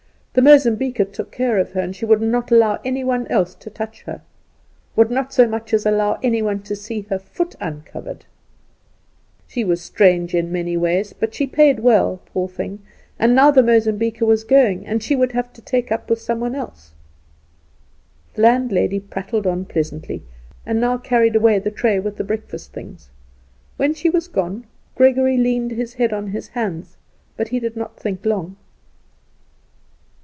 The Mozambiquer took care of her, and she would not allow any one else to touch her; would not so much as allow any one else to see her foot uncovered. She was strange in many ways, but she paid well, poor thing; and now the Mozambiquer was going, and she would have to take up with some one else. The landlady prattled on pleasantly, and now carried away the tray with the breakfast things. When she was gone Gregory leaned his head on his hands, but he did not think long.